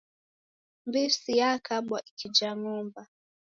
Mbisi yakabwa ikija ng'omba.